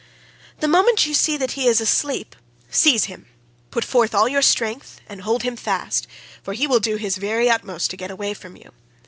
The moment you see that he is asleep seize him; put forth all your strength and hold him fast, for he will do his very utmost to get away from you.